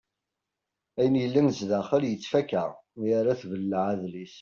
Ayen yellan sdaxel yettfaka mi ara tbelleɛ adlis.